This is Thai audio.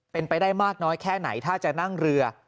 เป็นไปได้มากน้อยแค่ไหนถ้าจะนั่งเรือ